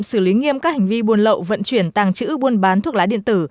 xử lý nghiêm các hành vi buôn lậu vận chuyển tàng trữ buôn bán thuốc lá điện tử